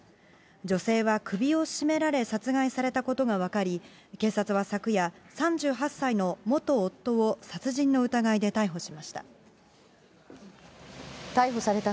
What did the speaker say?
女性は首を絞められ、殺害されたことが分かり、警察は昨夜、３８歳の元夫を殺人の疑いで逮捕しました。